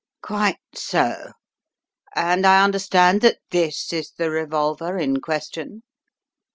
"Quite so ... And I understand that this is the revolver in question."